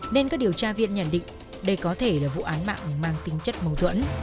nên các điều tra viên nhận định đây có thể là vụ án mạng mang tính chất mâu thuẫn